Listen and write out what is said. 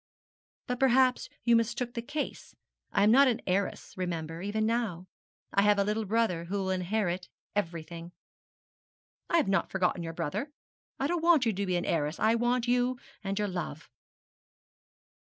'But perhaps you mistook the case. I am not an heiress, remember, even now. I have a little brother who will inherit everything.' 'I have not forgotten your brother. I don't want you to be an heiress. I want you and your love.'